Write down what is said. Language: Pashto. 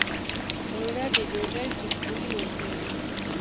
اوړه د ډوډۍ خوشبويي ورکوي